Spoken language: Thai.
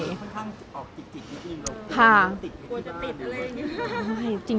ค่อนข้างออกจิตดีแล้วคุณกลัวจะติดอะไรอย่างนี้